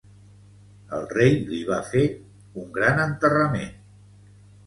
El rei li va fer un gran enterrament.